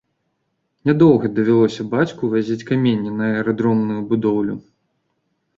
Нядоўга давялося бацьку вазіць каменне на аэрадромную будоўлю.